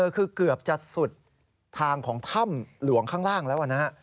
คือเกือบจะสุดทางของถ้ำหลวงข้างล่างแล้วนะฮะ